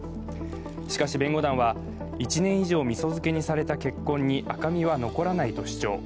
しかし、弁護団は１年以上みそ漬けにされた血痕に赤みは残らないと主張。